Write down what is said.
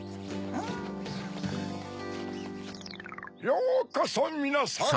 ようこそみなさん！